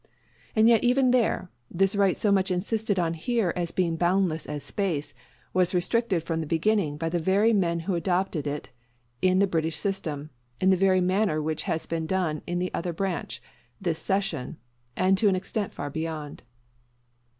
And yet even there, this right so much insisted on here as being boundless as space, was restricted from the beginning by the very men who adopted it in the British system, in the very manner which has been done in the other branch, this session; and to an extent far beyond.